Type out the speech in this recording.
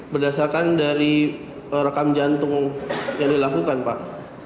berdasarkan dari rekam jantung yang dilakukan pak